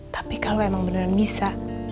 tapi kalau emang beneran bisa